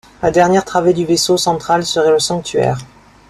La dernière travée du vaisseau central serait le sanctuaire.